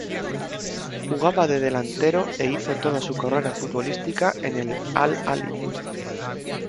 Jugaba de delantero e hizo toda su carrera futbolística en el Al-Ahly.